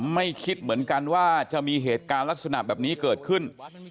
ไม่คิดเหมือนกันว่าจะมีเหตุการณ์ลักษณะแบบนี้เกิดขึ้น